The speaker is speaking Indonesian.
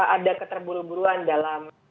ada keterburu buruan dalam